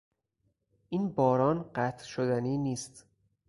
این باران قطع شدنی نیست!